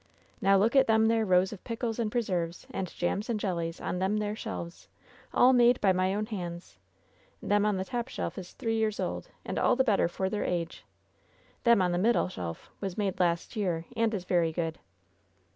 "Now look at them there rows of pickles and pre serves, and jams and jellies, on them there shelves. All made by my own hands. Them on the top shelf is three years old, and all the better for their age. Them on the middle shelf was made last year, and is very good.